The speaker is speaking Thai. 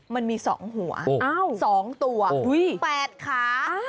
มันมี๒หัว๒ตัว๘ขา